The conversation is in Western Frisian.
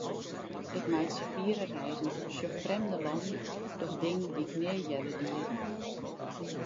Ik meitsje fiere reizen, sjoch frjemde lannen, doch dingen dy'k nea earder die.